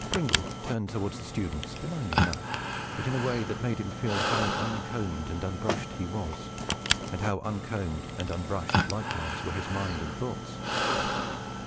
Pringle turned towards the student benignly enough, but in a way that made him feel how uncombed and unbrushed he was, and how uncombed and unbrushed, likewise, were his mind and thoughts.